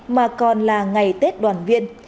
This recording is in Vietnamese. mà còn là ngày tết đoàn viên